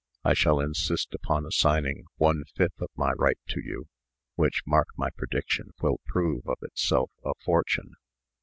I shall insist upon assigning one fifth of my right to you, which, mark my prediction, will prove of itself a fortune.